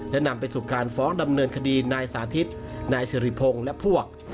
และนำไปสู่การฟ้องดำเนินคดีนายสาธิตนายสิริพงศ์และพวก